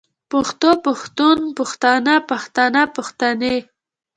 پښتو پښتون پښتانۀ پښتنه پښتنې